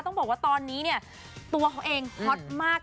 ต้องบอกว่าตอนนี้เนี่ยตัวเขาเองฮอตมาก